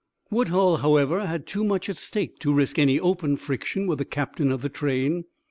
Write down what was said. Woodhull, however, had too much at stake to risk any open friction with the captain of the train.